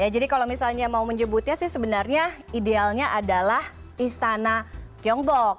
jadi kalau misalnya mau menyebutnya sih sebenarnya idealnya adalah istana gyeongbokgung